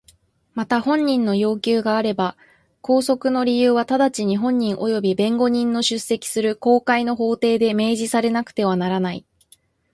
また本人の要求があれば拘束の理由は直ちに本人および弁護人の出席する公開の法廷で明示されなくてはならない。